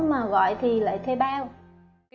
mà gọi thì lại thuê bao